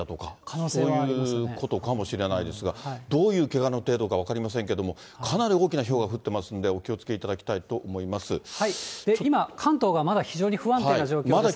そういうことかもしれないですが、どういうけがの程度か分かりませんけれども、かなり大きなひょうが降ってますんで、お気をつけいただきたいと今、関東がまだ非常に不安定な状況ですので。